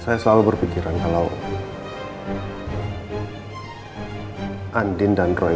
saya selalu berpikiran kalau andin dan roy